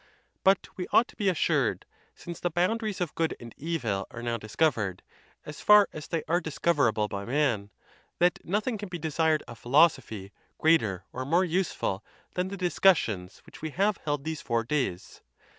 But we ought to be assured, since the boundaries of good and evil are now discovered, as far as they are discoverable by man, that nothing can be desired of philosophy greater or more useful than the discussions which we have held these four days.